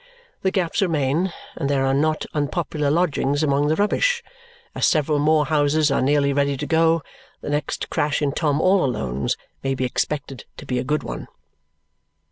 The gaps remain, and there are not unpopular lodgings among the rubbish. As several more houses are nearly ready to go, the next crash in Tom all Alone's may be expected to be a good one.